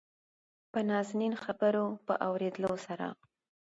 دنازنين خبرو په اورېدلو سره